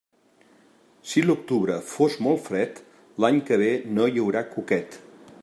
Si l'octubre fos molt fred, l'any que ve no hi haurà cuquet.